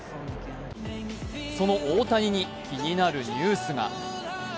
その大谷に気になるニュースが。